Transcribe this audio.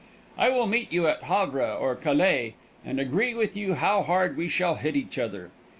I will meet you at Havre or Calais, and agree with you how hard we shall hit each other.